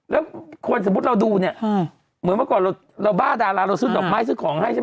แล้วคนสมมุติเราดูเนี่ยเหมือนเมื่อก่อนเราบ้าดาราเราซื้อดอกไม้ซื้อของให้ใช่ไหม